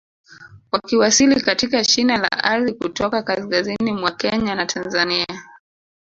Wakiwasili katika shina la ardhi kutoka kaskazini mwa Kenya na Tanzania